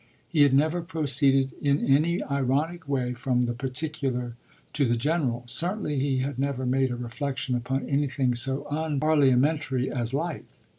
He had never proceeded in any ironic way from the particular to the general; certainly he had never made a reflexion upon anything so unparliamentary as Life.